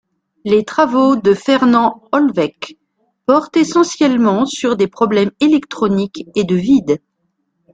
Les travaux de Fernand Holweck portent essentiellement sur des problèmes électroniques et de vide.